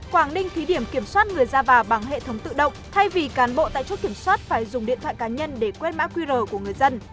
quảng ninh thí điểm kiểm soát người ra vào bằng hệ thống tự động thay vì cán bộ tại chốt kiểm soát phải dùng điện thoại cá nhân để quét mã qr của người dân